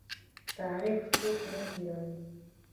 تاریخ څوک نه هیروي